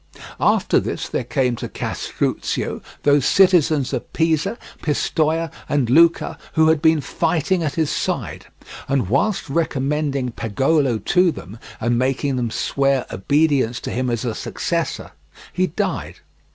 After this there came to Castruccio those citizens of Pisa, Pistoia, and Lucca, who had been fighting at his side, and whilst recommending Pagolo to them, and making them swear obedience to him as his successor, he died.